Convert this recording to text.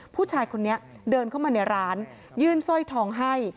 ผู้ชายคนนี้เดินเข้ามาในร้านยื่นสร้อยทองให้